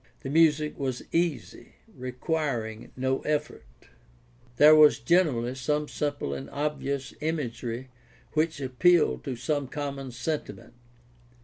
The music was easy, requiring no efTort. There was generally some simple and obvious imagery which appealed to some common sentiment.